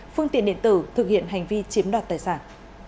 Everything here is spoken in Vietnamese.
phương tiện điện tử thực hiện hành vi chiếm đoạt tài sản